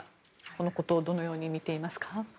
このことをどのように見ていますか。